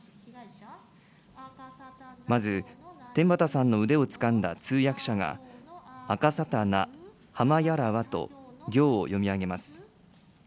まず、天畠さんの腕をつかんだ通訳者が、あかさたなはまやらわと行を読み上げます。